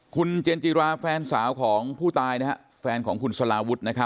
คุณเจนจิราแฟนสาวของผู้ตายแฟนของคุณสลาวุฒิ